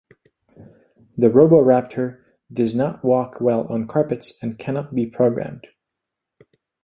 The Roboraptor does not walk well on carpets and cannot be programmed.